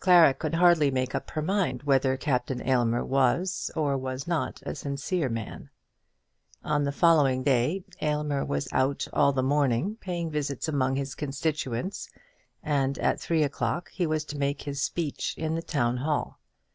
Clara could hardly make up her mind whether Captain Aylmer was or was not a sincere man. On the following day Aylmer was out all the morning, paying visits among his constituents, and at three o'clock he was to make his speech in the Town hall.